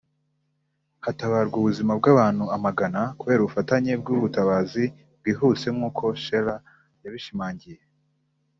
hatabarwa ubuzima bw’abantu amagana kubera ubufatanye bw’ubutabazi bwihuse nk’uko Shearer yabishimangiye